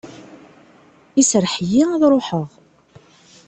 Iserreḥ-iyi ad ruḥeɣ.